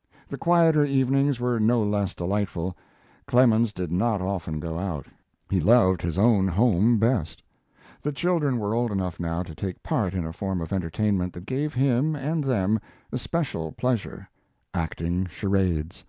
] The quieter evenings were no less delightful. Clemens did not often go out. He loved his own home best. The children were old enough now to take part in a form of entertainment that gave him and them especial pleasure acting charades.